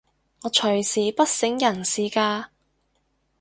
我隨時不省人事㗎